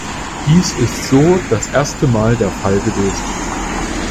Dies ist so das erste Mal der Fall gewesen.